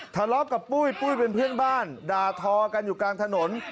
ทะเลาะกับปุ้ยปุ้ยเป็นเพื่อนบ้านด่าทอกันอยู่กลางถนน